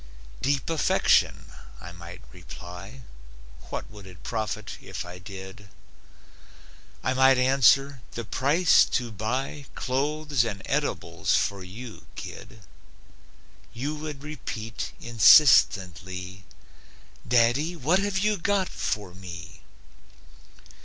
"Deep affection," I might reply; What would it profit if I did? I might answer: "The price to buy Clothes and edibles for you, kid." You would repeat, insistently: "Daddy, what have you got for me?"